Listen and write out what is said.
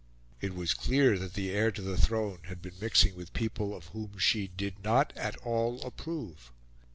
It was clear that the heir to the throne had been mixing with people of whom she did not at all approve.